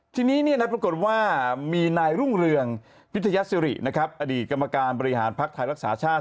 ทีนี้ปรากฏว่ามีนายรุ่งเรืองพิทยาศิริอดีตกรรมการบริหารภักดิ์ไทยรักษาชาติ